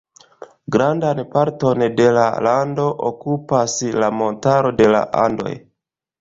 Grandan parton de la lando okupas la montaro de la Andoj.